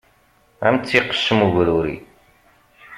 Ad m-tt-iqeccem ubruri.